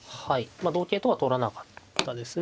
まあ同桂とは取らなかったですね。